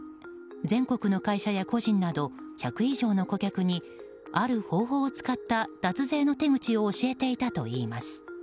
全国の会社や個人など１００以上の顧客にある方法を使った脱税の手口を教えていたといいます。